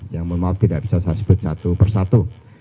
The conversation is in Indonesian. yang mohon maaf tidak bisa saya sebut satu persatu